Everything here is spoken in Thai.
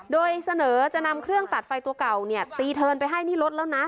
โดยเสนอจะนำเครื่องตัดไฟตัวก่อนี่อ่ะตีเทินไปให้รถแล้วนะ